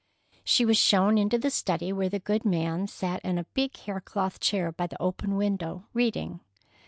She was shown into the study, where the good man sat in a big hair cloth chair by the open window, reading.